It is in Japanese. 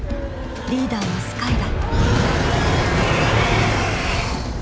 リーダーのスカイだ。